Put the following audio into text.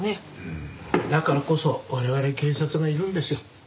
だからこそ我々警察がいるんですよ。